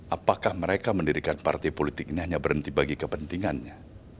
apakah mereka mendirikan partai politik ini hanya berhenti bagi kepentingannya